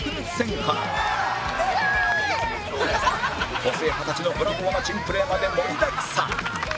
個性派たちのブラボーな珍プレーまで盛りだくさん